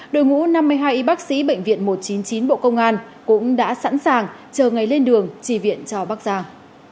đội ngũ năm mươi hai bác sĩ bệnh viện một trăm chín mươi chín bộ công an cũng đã sẵn sàng chờ ngày lên đường trì viện cho bắc giang